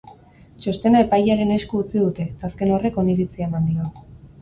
Txostena epailearen esku utzi dute, eta azken horrek oniritzia eman dio.